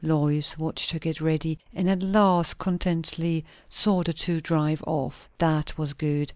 Lois watched her get ready, and at last contentedly saw the two drive off. That was good.